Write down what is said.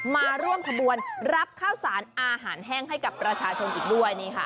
มาร่วมขบวนรับข้าวสารอาหารแห้งให้กับประชาชนอีกด้วย